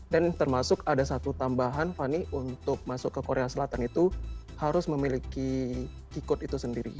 dan termasuk ada satu tambahan fani untuk masuk ke korea selatan itu harus memiliki key code itu sendiri